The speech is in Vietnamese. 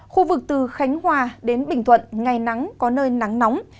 khu vực từ khánh hòa đến bình thuận ngày nắng có nơi nắng nóng